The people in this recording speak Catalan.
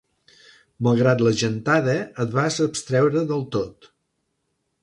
Malgrat la gentada, et vas abstreure del tot.